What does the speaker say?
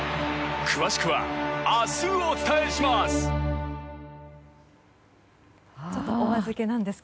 詳しくは、明日お伝えします！